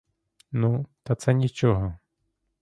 Ну, та це нічого.